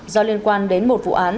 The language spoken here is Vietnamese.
do liên quan đến một vụ án